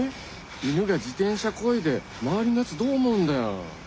犬が自転車こいで周りのやつどう思うんだよ？